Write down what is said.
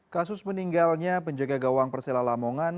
kasus meninggalnya penjaga gawang persela lamongan